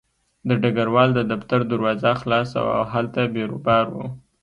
د ډګروال د دفتر دروازه خلاصه وه او هلته بیروبار و